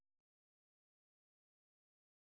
โปรดติดตามตอนต่อไป